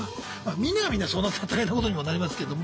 みんながみんなそうなったら大変なことにもなりますけども。